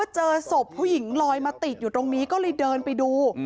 เจอศพผู้หญิงลอยมาติดอยู่ตรงนี้ก็เลยเดินไปดู